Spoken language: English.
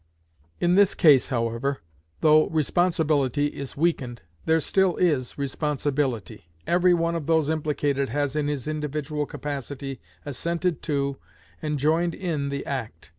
In this case, however, though responsibility is weakened, there still is responsibility: every one of those implicated has in his individual capacity assented to, and joined in the act.